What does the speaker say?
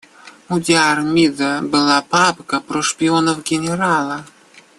У Диармида была папка про шпионов генерала.